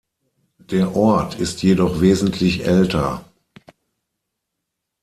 Der Ort ist jedoch wesentlich älter.